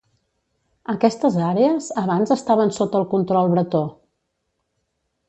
Aquestes àrees abans estaven sota el control bretó.